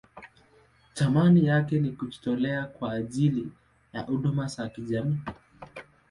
Thamani yake ni kujitolea kwa ajili ya huduma za kijamii.